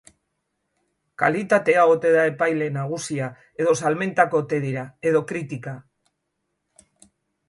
Kalitatea ote da epaile nagusia, edo salmentak ote dira, edo kritika?